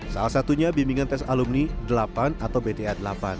salah satunya bimbingan tes alumni delapan atau bta delapan